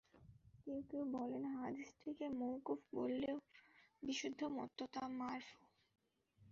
কেউ কেউ বলেন, হাদীসটিকে মওকুফ বললেও বিশুদ্ধ মতে তা মারফু।